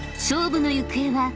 ［勝負の行方は］